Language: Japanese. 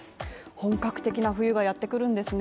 本格的な冬がやってくるんですね